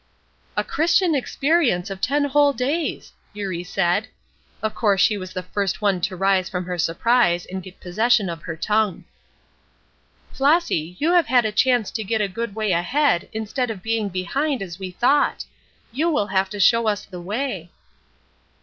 "A Christian experience of ten whole days!" Eurie said. Of course she was the first one to rise from her surprise and get possession of her tongue. "Flossy, you have had a chance to get a good way ahead instead of being behind, as we thought. You will have to show us the way."